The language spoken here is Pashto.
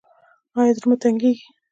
ایا زړه مو تنګیږي؟